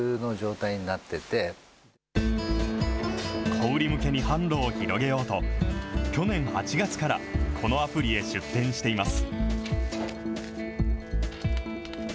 小売り向けに販路を広げようと、去年８月から、このアプリへ出店しています。